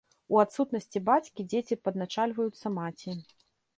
У адсутнасці бацькі дзеці падначальваюцца маці.